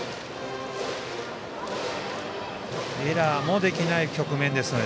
エラーもできない局面です。